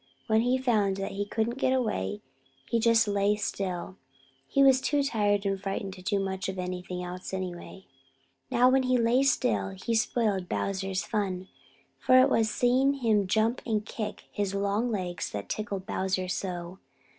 When he found that he couldn't get away, he just lay still. He was too tired and frightened to do much of anything else, anyway. Now when he lay still, he spoiled Bowser's fun, for it was seeing him jump and kick his long legs that tickled Bowser so.